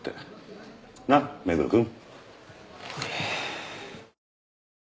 なあ目黒くん。